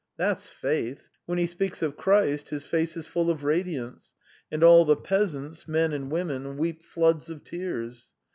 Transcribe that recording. That's faith! When he speaks of Christ, his face is full of radiance, and all the peasants, men and women, weep floods of tears.